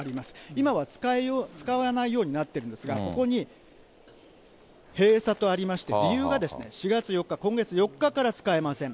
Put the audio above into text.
今は使わないようになってるんですが、ここに閉鎖とありまして、理由が４月４日、今月４日から使えません。